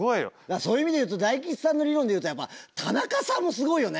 そういう意味で言うと大吉さんの理論で言うとやっぱ田中さんもすごいよね。